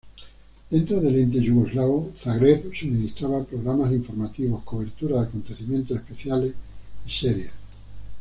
Dentro del ente yugoslavo, Zagreb suministraba programas informativos, cobertura de acontecimientos especiales y series.